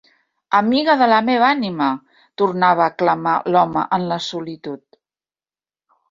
-Amiga de la meva ànima!- tornava a clamar l'home en la solitud.